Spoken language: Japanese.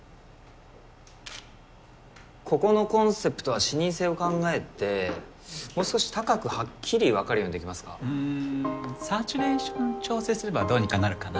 ここのコンセプトは視認性を考えてもう少し高くはっきり分かるようにできますか・うんサチュレーション調整すればどうにかなるかな